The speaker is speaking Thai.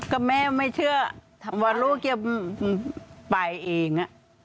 ก็แม่ไม่เชื่อว่าลูกจะไปเอง